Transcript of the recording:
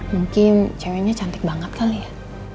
mungkin ceweknya cantik banget kali ya